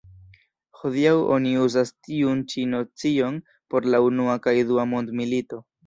Hodiaŭ oni uzas tiun ĉi nocion por la unua kaj dua mondmilito.